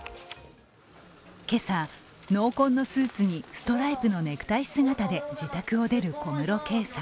今朝、濃紺のスーツにストライプのネクタイ姿で自宅を出る小室圭さん